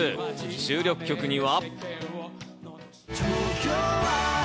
収録曲には。